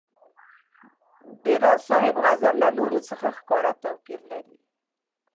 د راز صاحب غزل له نورو څخه ښکاره توپیر لري.